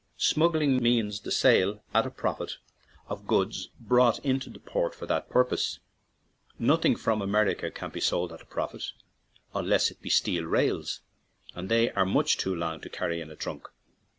Smuggling means the sale at a profit of goods brought into port for that purpose; nothing from America can be sold at a profit, unless it be steel rails, and they are much too long to carry in a trunk.